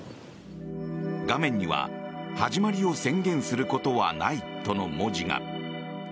画面には始まりを宣言することはないとの文字が。